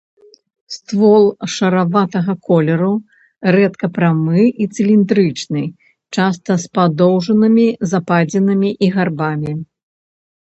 Ствол шараватага колеру рэдка прамы і цыліндрычны, часта з падоўжнымі западзінамі і гарбамі.